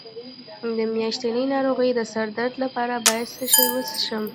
د میاشتنۍ ناروغۍ د سر درد لپاره باید څه شی وڅښم؟